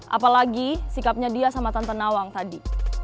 apalagi sikapnya dia sama tante nawang tadi